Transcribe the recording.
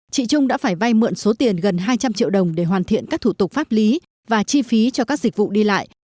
chị trung đã phải vay mượn số tiền gần hai trăm linh triệu đồng để hoàn thiện các thủ tục pháp lý và chi phí cho các dịch vụ đi lại